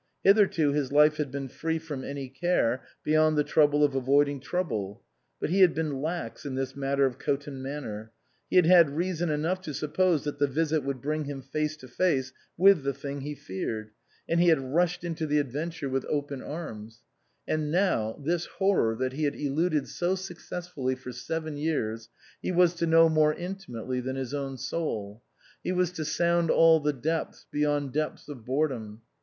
Hitherto his life had been free from any care beyond the trouble of avoiding trouble. But he had been lax in this matter of Coton Manor ; he had had reason enough to suppose that the visit would bring him face to face with the thing he feared, and he had rushed into the adventure INLAND with open arms. And now, this horror that he had eluded so successfully for seven years, he was to know more intimately than his own soul ; he was to sound all the depths beyond depths of boredom.